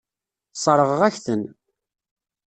Sseṛɣeɣ-ak-ten.